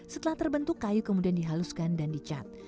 setelah terbentuk kayu kemudian dihaluskan dan dicat